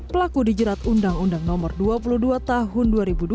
pelaku dijerat undang undang nomor dua puluh dua tahun dua ribu dua